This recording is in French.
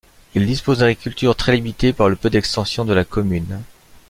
Il dispose d'une agriculture très limitée par le peu d'extension de la commune.